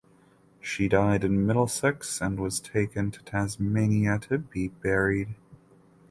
She died in Middlesex and was taken to Tasmania to be buried.